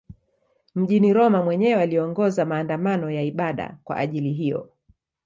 Mjini Roma mwenyewe aliongoza maandamano ya ibada kwa ajili hiyo.